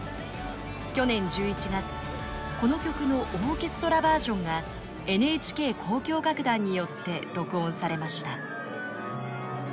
去年１１月この曲のオーケストラバージョンがＮＨＫ交響楽団によって録音されました。